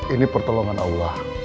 ini pertolongan allah